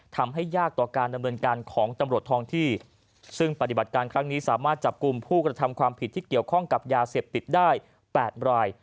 ทำให้ยากต่อการดำเนินการของตำรวจทองที่ซึ่งปฏิบัติการครั้งนี้สามารถจับกลุ่มผู้กระทำความผิดที่เกี่ยวข้องกับยาเสพติดได้๘ราย